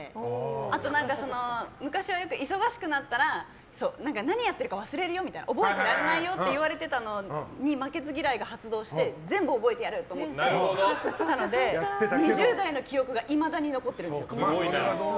あと昔はよく忙しくなったら何やってるか忘れるよ覚えてられないよって言われてたのに負けず嫌いが発動して全部覚えてやるって思ってやってたので２０代の記憶がいまだに残ってる。